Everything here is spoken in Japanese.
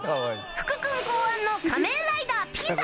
福君考案の仮面ライダーピザ。